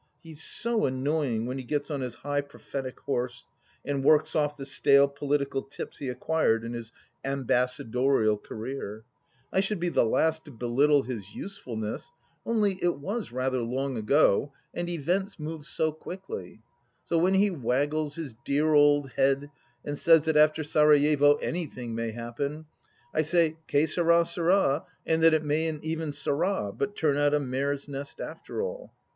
He is so annoying when he gets on his high prophetic horse, and works off the stale political tips he acquired in his ambassadorial career. I should be the last THE LAST DITCH 17 to belittle his usefulness, only it was rather long ago and events move so quickly. So when he waggles his dear old head and says that after Sarajevo anything may happen, I say Che sard, sard ! and that it mayn't even sard, but turn out a mare's nest after all.